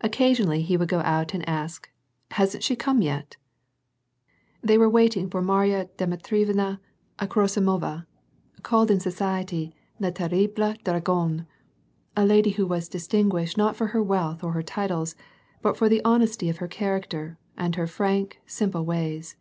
Occasionally, he would go out and ask :" Hasn't she come yet ?" They were waiting for Mary a Dmitrievna Akhrosimova, called in society le terrible dragon : a lady who was distin guished not for her wealth or her titles, but for the honesty of her character, and her frank, simple ways.